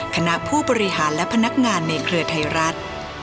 คณะผู้บริหารและพนักงานในเครือไทยรัฐ